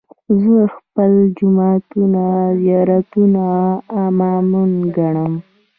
زه خپل جوماتونه، زيارتونه، امامان ګټم